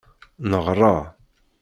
Neɣṛa.